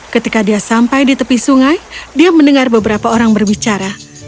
ketika dia sampai di tepi sungai dia mendengar beberapa orang berbicara